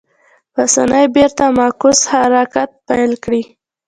په اسانۍ بېرته معکوس حرکت پیل کړي.